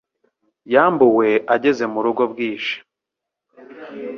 Yambuwe ageze mu rugo bwije.